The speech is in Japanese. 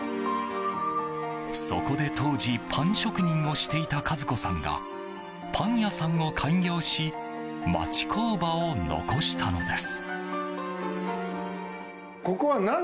そこで当時パン職人をしていた和子さんがパン屋さんを開業し町工場を残したのです。